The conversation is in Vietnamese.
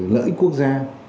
lợi ích quốc gia